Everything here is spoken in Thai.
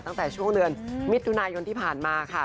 ตั้งแต่ช่วงเดือนมิถุนายนที่ผ่านมาค่ะ